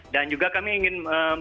dan juga kami ingin